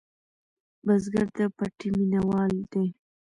بزګر د پټي مېنهوال دی